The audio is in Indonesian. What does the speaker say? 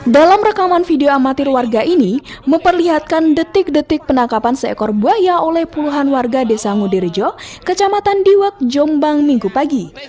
dalam rekaman video amatir warga ini memperlihatkan detik detik penangkapan seekor buaya oleh puluhan warga desa ngudi rejo kecamatan diwak jombang minggu pagi